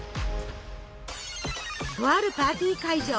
とあるパーティー会場！